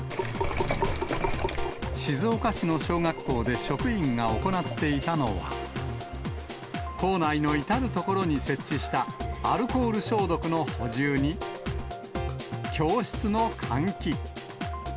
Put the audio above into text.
静岡市の小学校で職員が行っていたのは、校内の至る所に設置したアルコール消毒の補充に、教室の換気。